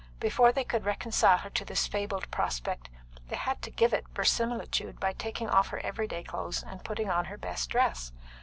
Before they could reconcile her to this fabled prospect they had to give it verisimilitude by taking off her everyday clothes and putting on her best dress.